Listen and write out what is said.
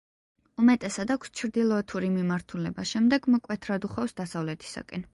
უმეტესად აქვს ჩრდილოეთური მიმართულება, შემდეგ მკვეთრად უხვევს დასავლეთისაკენ.